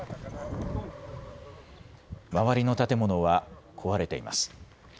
周りの建物は壊れています。